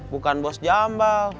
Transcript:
bukan bos jambal